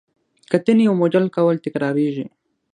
کتنې او موډل کول تکراریږي.